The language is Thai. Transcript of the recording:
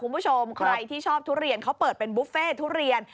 คุณผู้ชมใครที่ชอบทุเรียนเขาเปิดเป็นบุฟเฟ่ทุเรียน